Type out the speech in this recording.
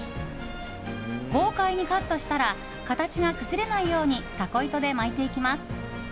豪快にカットしたら形が崩れないようにタコ糸で巻いていきます。